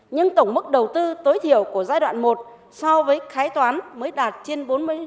nhưng tổng mức đầu tư tối thiểu của giai đoạn một so với khái toán mới đạt trên bốn mươi